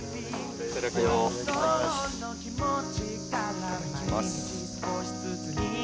いただきます。